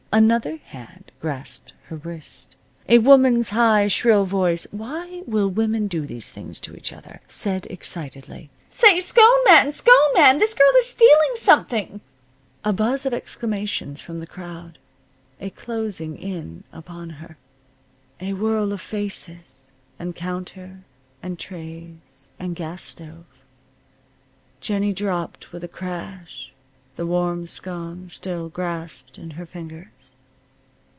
Another hand grasped her wrist. A woman's high, shrill voice (why will women do these things to each other?) said, excitedly: "Say, Scone Man! Scone Man! This girl is stealing something!" A buzz of exclamations from the crowd a closing in upon her a whirl of faces, and counter, and trays, and gas stove. Jennie dropped with a crash, the warm scone still grasped in her fingers.